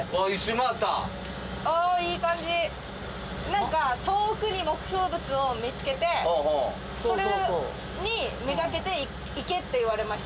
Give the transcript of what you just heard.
なんか遠くに目標物を見つけてそれにめがけて行けって言われました。